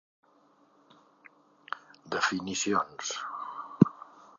Definicions.